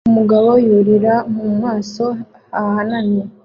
Umugabo yurira mu maso hahanamye